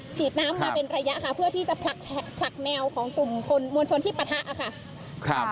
ฉีดน้ำมาเป็นระยะค่ะเพื่อที่จะผลักแนวของกลุ่มคนมวลชนที่ปะทะค่ะ